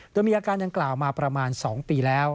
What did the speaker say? โดยมีอาการดังกล่าวมาประมาณ๒ปีแล้ว